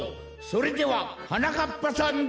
それでははなかっぱさんどうぞ！